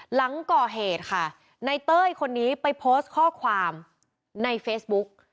หลังก่อเหตุค่ะในเต้ยคนนี้ไปโพสต์ข้อความในเฟซบุ๊ก